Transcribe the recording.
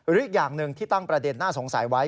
อีกอย่างหนึ่งที่ตั้งประเด็นน่าสงสัยไว้